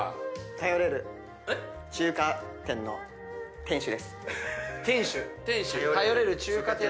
「頼れる中華店の店主」